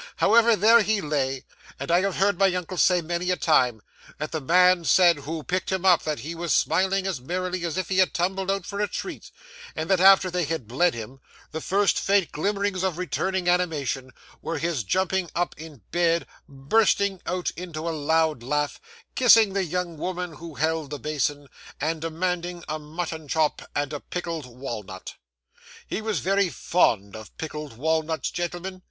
However, there he lay, and I have heard my uncle say, many a time, that the man said who picked him up that he was smiling as merrily as if he had tumbled out for a treat, and that after they had bled him, the first faint glimmerings of returning animation, were his jumping up in bed, bursting out into a loud laugh, kissing the young woman who held the basin, and demanding a mutton chop and a pickled walnut. He was very fond of pickled walnuts, gentlemen.